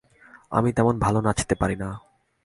আমি তেমন ভালো নাচতে পারি না।